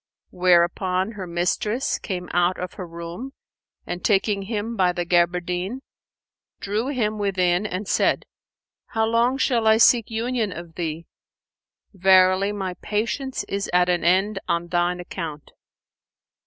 Whereupon her mistress came out of her room and, taking him by the gaberdine,[FN#476] drew him within and said, "How long shall I seek union of thee? Verily my patience is at an end on thine account.